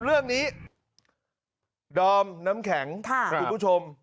เรื่องนี้ดอมน้ำแข็งคุณผู้ชม